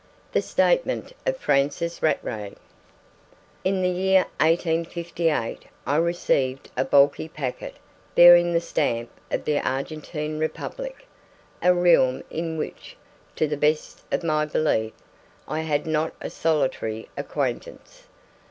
THE STATEMENT OF FRANCIS RATTRAY In the year 1858 I received a bulky packet bearing the stamp of the Argentine Republic, a realm in which, to the best of my belief, I had not a solitary acquaintance.